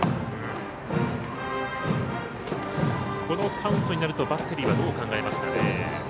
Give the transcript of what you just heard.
このカウントになるとバッテリーはどう考えますか。